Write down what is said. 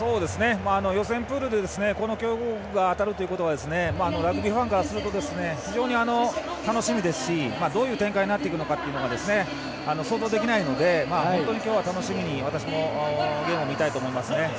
予選プールでこの強豪国が当たるということはラグビーファンからすると非常に楽しみですしどういう展開になっていくのか想像できないので本当に今日は楽しみに私もゲームを見たいと思いますね。